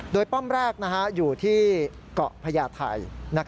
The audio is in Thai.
โดยป้อมแรกอยู่ที่เกาะพญาไทย